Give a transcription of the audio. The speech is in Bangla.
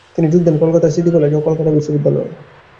তিনি যোগ দেন কলকাতার সিটি কলেজ, ও কলকাতা বিশ্ববিদ্যালয়ে।